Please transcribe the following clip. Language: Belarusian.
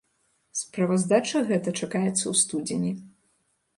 Справаздача гэта чакаецца ў студзені.